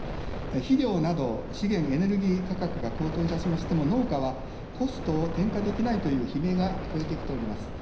肥料など資源エネルギー価格が高騰いたしましても、農家はコストを転嫁できないという悲鳴が聞こえてきております。